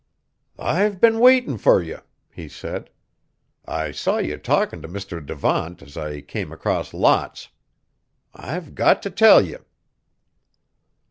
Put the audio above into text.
"I've been waitin' fur you," he said. "I saw you talkin' t' Mr. Devant as I came cross lots. I've got t' tell you!"